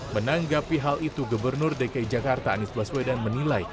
menanggapi hal itu gubernur dki jakarta anies baswedan menilai keputusannya menutup jalan